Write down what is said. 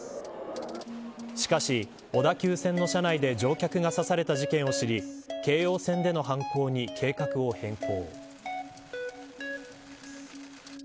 しかし小田急線の車内で乗客が刺された事件を知り京王線での犯行に計画を変更。